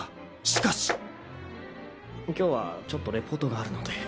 しかし！今日はちょっとリポートがあるので。